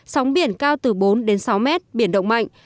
sóng biển cao từ bốn đến sáu mét biển động mạnh